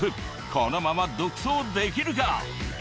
このまま独走できるか？